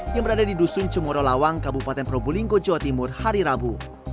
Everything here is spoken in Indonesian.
yang berada di dusun cemoro lawang kabupaten probolinggo jawa timur hari rabu